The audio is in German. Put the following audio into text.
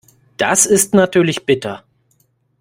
Das ist natürlich bitter.